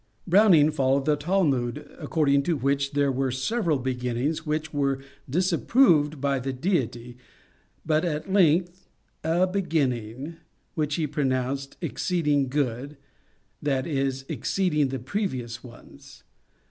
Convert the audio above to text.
Browning followed the Talmud, according to which there were several beginnings which were disapproved by the deity, but at length " a begin ning " which he pronounced " exceeding good," i. e. exceed ing the previous ones.